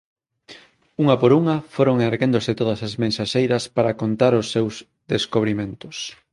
Unha por unha foron erguéndose todas as mensaxeiras para contar os seus descubrimentos.